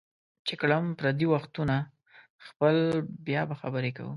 چې کړم پردي وختونه خپل بیا به خبرې کوو